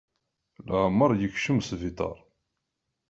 Leεmeṛ yekcem sbiṭar.